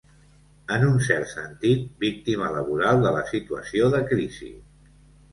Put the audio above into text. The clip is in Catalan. En un cert sentit, víctima laboral de la situació de crisi.